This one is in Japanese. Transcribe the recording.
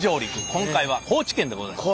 今回は高知県でございます。